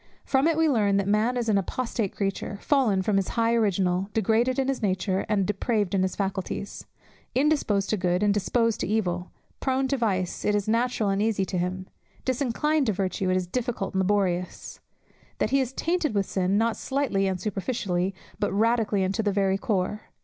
From it we learn that man is an apostate creature, fallen from his high original, degraded in his nature, and depraved in his faculties; indisposed to good, and disposed to evil; prone to vice, it is natural and easy to him; disinclined to virtue, it is difficult and laborious; that he is tainted with sin, not slightly and superficially, but radically and to the very core.